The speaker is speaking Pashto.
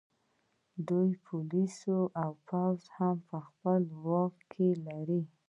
دوی پولیس او پوځ هم په خپل واک کې لري